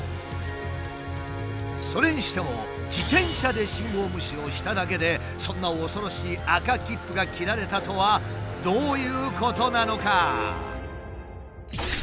それにしても自転車で信号無視をしただけでそんな恐ろしい赤切符が切られたとはどういうことなのか？